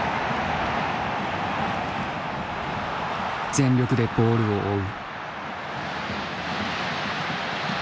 全力でボールを追う。